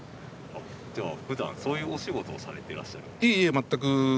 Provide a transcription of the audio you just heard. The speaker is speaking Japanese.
じゃふだんそういうお仕事をされてらっしゃるんですか？